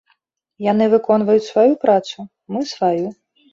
Яны выконваюць сваю працу, мы сваю.